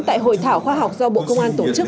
tại hội thảo khoa học do bộ công an tổ chức